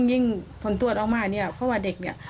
ค่ะยิ่งผลตรวจออกมานี่เพราะว่าเด็กนี่